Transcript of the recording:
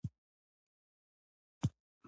د سړو خونو نشتون ستونزه ده